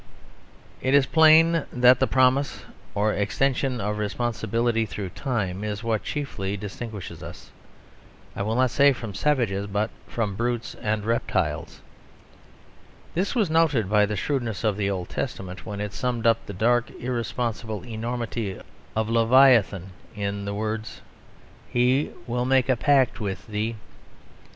It is plain that the promise, or extension of responsibility through time, is what chiefly distinguishes us, I will not say from savages, but from brutes and reptiles. This was noted by the shrewdness of the Old Testament, when it summed up the dark irresponsible enormity of Leviathan in the words "Will he make a pact with thee?"